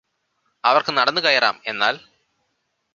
അവർക്ക് നടന്നു കയറാം എന്നാല്